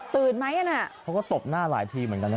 ตื่นไหมอันนั้นอ่ะเขาก็ตบหน้าหลายทีเหมือนกัน